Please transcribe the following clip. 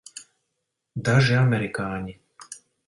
Daži amerikāņi.